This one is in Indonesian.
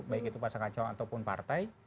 baik itu pasangan calon ataupun partai